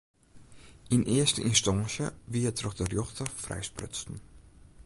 Yn earste ynstânsje wie er troch de rjochter frijsprutsen.